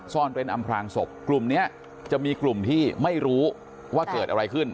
ซ่อนเต้นอำพลางศพกลุ่มนี้จะมีกลุ่มที่ไม่รู้ว่าเกิดอะไรขึ้น